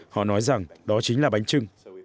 họ nói rằng đó chính là bánh trưng